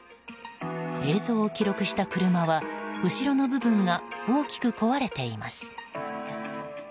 映像を記録した車は後ろの部分が大きく壊れています。